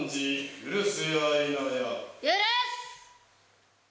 許す。